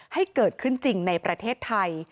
ให้เกิดขึ้นจริงในประเทศไทย